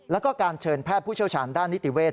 แล้วก็การเชิญแพทย์ผู้เชี่ยวชาญด้านนิติเวศ